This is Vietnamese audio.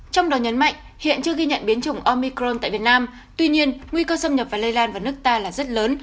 trong đó nhấn mạnh hiện chưa ghi nhận biến chủng omicron tại việt nam tuy nhiên nguy cơ xâm nhập và lây lan vào nước ta là rất lớn